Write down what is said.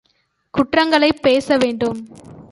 குற்றங்களைப் பேச வேண்டும்.